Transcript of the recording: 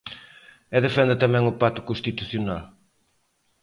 E defende tamén o pacto constitucional.